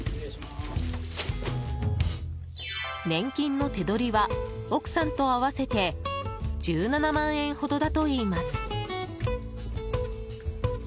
年金の手取りは奥さんと合わせて１７万円ほどだといいます。